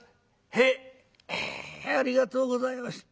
「へいありがとうございました。